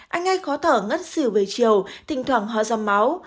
anh ngay khó thở ngất xỉu về chiều thỉnh thoảng hoa ra máu